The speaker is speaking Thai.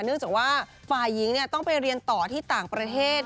เนื่องจากว่าฝ่ายหญิงต้องไปเรียนต่อที่ต่างประเทศ